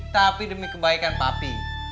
tapi demi kebaikan pape